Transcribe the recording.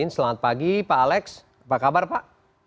selamat pagi pak alex apa kabar pak